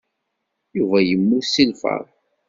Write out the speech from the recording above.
Yuba yemmut seg lfeṛḥ.